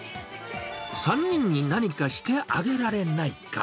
３人に何かしてあげられないか。